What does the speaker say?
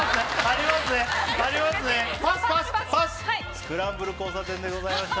スクランブル交差点でございました